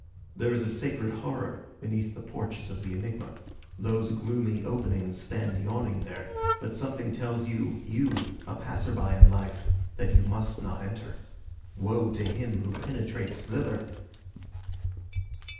There is a sacred horror beneath the porches of the enigma; those gloomy openings stand yawning there, but something tells you, you, a passer by in life, that you must not enter. Woe to him who penetrates thither!